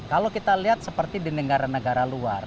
kalau kita lihat seperti di negara negara luar